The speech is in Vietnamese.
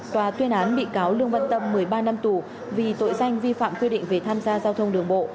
tòa tuyên án bị cáo lương văn tâm một mươi ba năm tù vì tội danh vi phạm quy định về tham gia giao thông đường bộ